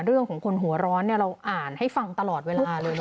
เรื่องของคนหัวร้อนเราอ่านให้ฟังตลอดเวลาเลยนะ